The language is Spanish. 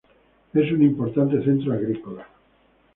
Es un importante centro agrícola.